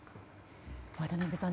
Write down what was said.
渡辺さん。